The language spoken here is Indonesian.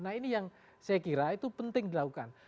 nah ini yang saya kira itu penting dilakukan